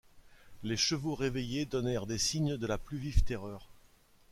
Les chevaux réveillés donnèrent des signes de la plus vive terreur.